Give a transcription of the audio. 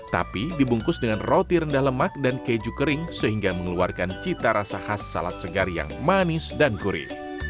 tapi dibungkus dengan roti rendah lemak dan keju kering sehingga mengeluarkan cita rasa khas salad segar yang manis dan gurih